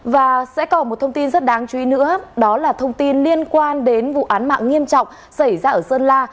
và sẽ còn một thông tin rất đáng chú ý nữa đó là thông tin liên quan đến vụ án mạng nghiêm trọng xảy ra ở sơn la